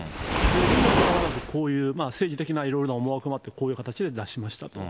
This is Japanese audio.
にもかかわらず、こういう、政治的ないろいろな思惑もあってこういう形で出しましたと。